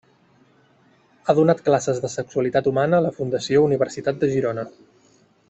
Ha donat classes de sexualitat humana a la Fundació Universitat de Girona.